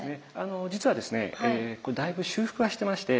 実はですねだいぶ修復はしてまして。